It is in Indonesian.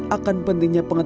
akan pentingnya diperlukan